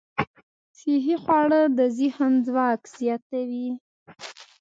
صحي خواړه د ذهن ځواک زیاتوي.